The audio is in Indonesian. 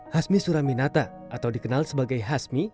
hasmi suraminata atau dikenal sebagai hasmi